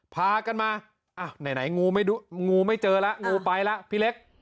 พากันมาอ้าวไหนงูไม่เจอแล้วงูไปแล้วพี่เล็ก